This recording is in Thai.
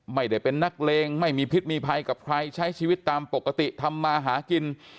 ไม่ได้เป็นนักเลงไม่มีพิษมีภัยกับใครใช้ชีวิตตามปกติทำมาหากิน